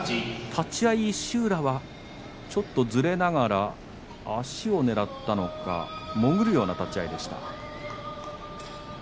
立ち合い、石浦はちょっと、ずれながら足をねらったんでしょうか潜るような立ち合いでした。